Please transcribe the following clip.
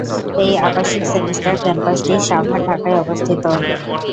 এই আবাসিক সেমিস্টার ক্যাম্পাসটি সাভার, ঢাকায় অবস্থিত।